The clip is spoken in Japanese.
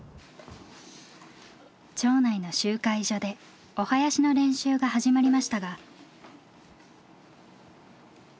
町内の集会所でお囃子の練習が始まりましたが。